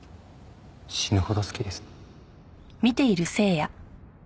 死ぬほど好きです。